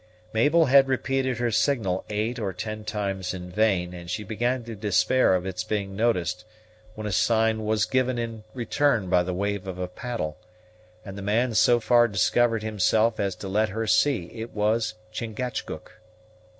Mabel had repeated her signal eight or ten times in vain, and she began to despair of its being noticed, when a sign was given in return by the wave of a paddle, and the man so far discovered himself as to let her see it was Chingachgook.